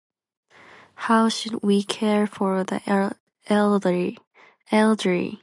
How should we care for the el- eldry- elderly?